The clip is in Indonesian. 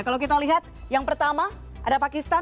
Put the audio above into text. kalau kita lihat yang pertama ada pakistan